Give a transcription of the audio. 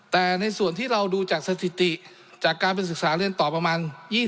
แต่ในส่วนที่เราดูจากสถิติจากการไปศึกษาเรียนต่อประมาณ